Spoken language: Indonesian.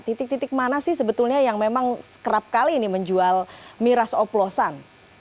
titik titik mana sih sebetulnya yang memang kerap kali ini menjual miras oplosan